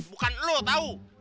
bukan lo tau